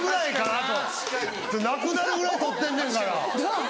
なくなるぐらい撮ってんねんから。なぁ。